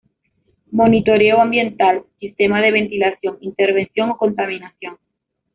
Monitoreo ambiental: sistema de ventilación, intervención o contaminación.